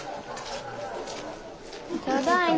ただいま。